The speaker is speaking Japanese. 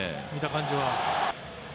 見た感じは。